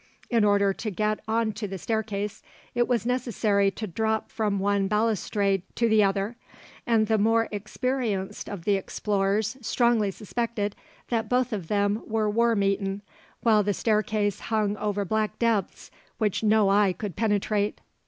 In order to get on to the staircase it was necessary to drop from one balustrade to the other and the more experienced of the explorers strongly suspected that both of them were worm eaten while the staircase hung over black depths which no eye could penetrate.